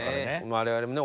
「我々もね